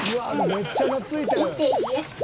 めっちゃ懐いてる！